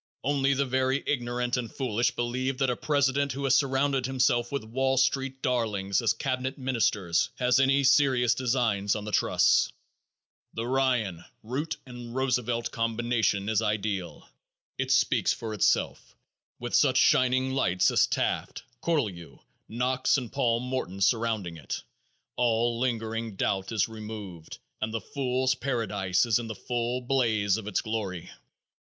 Only the very ignorant and foolish believe that a president who has surrounded himself with Wall Street darlings as cabinet ministers has any serious designs on the trusts. The Ryan, Root and Roosevelt combination is ideal. It speaks for itself, and with such shining lights as Taft, Cortelyou, Knox and Paul Morton surrounding it, all lingering doubt is removed, and the fools' paradise is in the full blaze of its glory.